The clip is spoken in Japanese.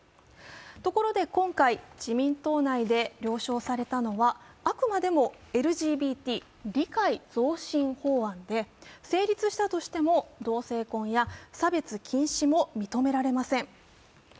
ところで今回、自民党内で了承されたのはあくまでもＬＧＢＴ理解増進法案で成立したとしても同性婚や差別禁止も認められません。